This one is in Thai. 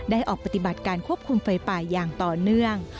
ออกปฏิบัติการควบคุมไฟป่าอย่างต่อเนื่อง